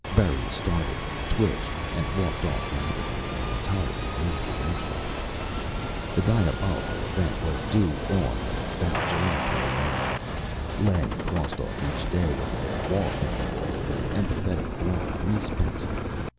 Berry started, twitched, and walked off rapidly in an entirely new direction. The diabolical event was due on or about July 29th. Len crossed off each day on their wall calendar with an emphatic black grease pencil.